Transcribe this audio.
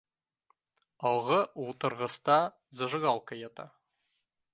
Алғы ултырғыста зажигалка ята